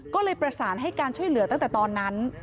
ก็เลยประสานให้การช่วยเหลือตั้งแต่ตอนนั้น